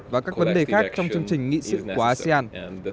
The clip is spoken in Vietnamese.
và các vấn đề khác trong chương trình nghị sự của asean